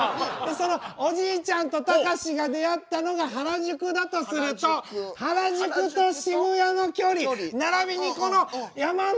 そのおじいちゃんとたかしが出会ったのが原宿だとすると原宿と渋谷の距離ならびにこの山手線の面積を求めよ。